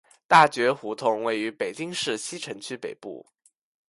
大觉胡同位于北京市西城区北部。